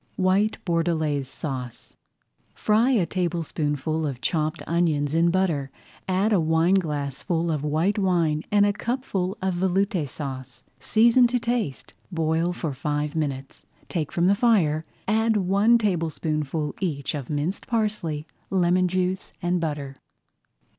WHITE BORDELAISE SAUCE Fry a tablespoonful of chopped onions in butter, add a wineglassful of white wine and a cupful of Veloute Sauce. Season to taste, boil for five minutes, take from the fire, add one tablespoonful each of minced parsley, lemon juice, and butter.